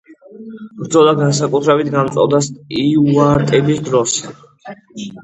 ბრძოლა განსაკუთრებით გამწვავდა სტიუარტების დროს.